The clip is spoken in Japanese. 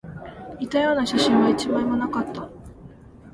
似たような写真は一枚もなかった